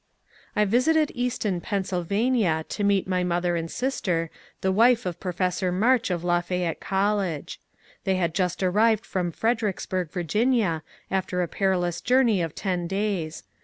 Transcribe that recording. ^ I visited Easton, Pa., to meet my mother and sister, the wife of Professor March of Lafayette College. They had just ar rived from Fredericksburg, Va., after a perilous journey of ten days.